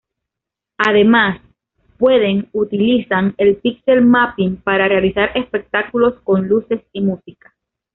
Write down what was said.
Además, pueden utilizan el pixel mapping para realizar espectáculos con luces y música.